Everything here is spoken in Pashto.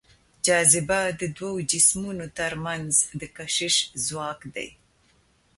جاذبه د دوو جسمونو تر منځ د کشش ځواک دی.